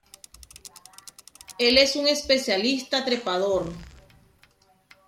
Él es un el especialista trepador.